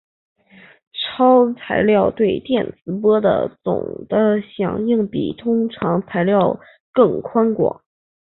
超材料对电磁波的总的响应比通常材料更宽广。